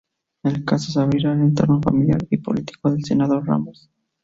El caso se abrirá al entorno familiar y político del senador Ramos.